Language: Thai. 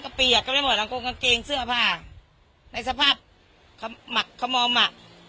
ก็เปียกก็ไม่หมดอังกฎกางเกงเสื้อผ้าในสภาพหมักขมอหมัก